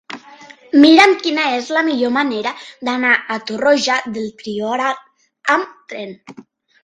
Mira'm quina és la millor manera d'anar a Torroja del Priorat amb tren.